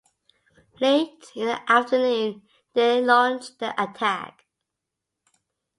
Late in the afternoon, they launched their attack.